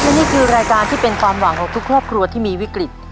และนี่คือรายการที่เป็นความหวังของทุกครอบครัวที่มีวิกฤต